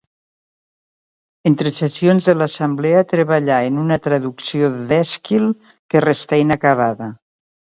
Entre sessions de l'Assemblea, treballà en una traducció d'Èsquil, que restà inacabada.